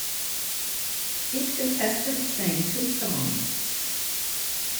Each contestant sang two songs.